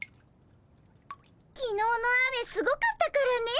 きのうの雨すごかったからね。